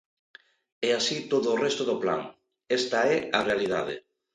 E así todo o resto do plan, esta é a realidade.